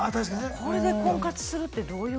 これで婚活するってどういう感じ？っていう。